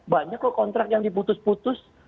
banyak kok kontrak yang diputus putus